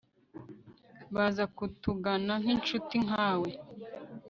baza kutugana nkinshuti nkawe